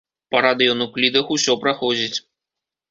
Па радыенуклідах усё праходзіць.